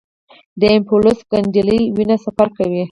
د ایمبولوس ګڼېدلې وینه سفر کوي.